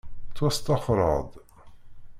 Ttwasṭaxreɣ-d.